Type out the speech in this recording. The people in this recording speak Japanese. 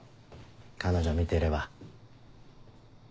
彼女見てれば。